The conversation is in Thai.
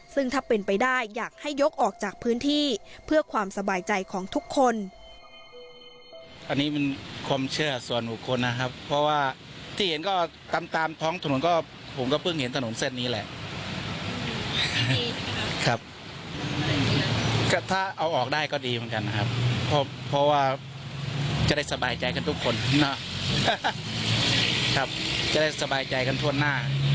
ซึ่งถ้าเป็นไปได้อยากให้ยกออกจากพื้นที่เพื่อความสบายใจของทุกคน